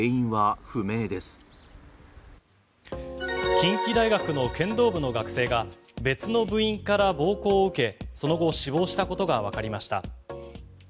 近畿大学の剣道部の学生が別の部員から暴行を受けその後、死亡したことがわかりました。